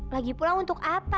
lagipula untuk apa